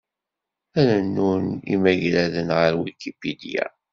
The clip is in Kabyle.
Rennun imagraden ɣer Wikipedia.